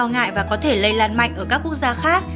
ngại và có thể lây lan mạnh ở các quốc gia khác